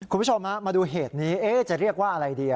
คุณผู้ชมมาดูเหตุนี้จะเรียกว่าอะไรดี